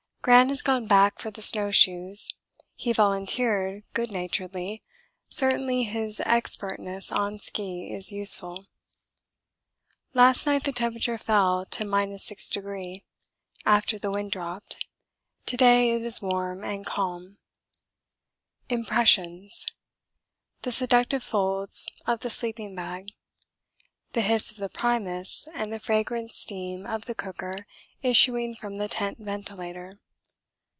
Gran has gone back for the snow shoes he volunteered good naturedly certainly his expertness on ski is useful. Last night the temperature fell to 6° after the wind dropped to day it is warm and calm. Impressions The seductive folds of the sleeping bag. The hiss of the primus and the fragrant steam of the cooker issuing from the tent ventilator.